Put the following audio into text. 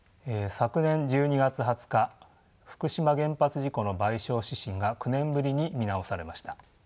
昨年１２月２０日福島原発事故の賠償指針が９年ぶりに見直されました。